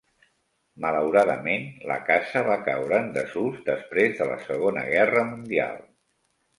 Malauradament, la casa va caure en desús després de la Segona Guerra Mundial.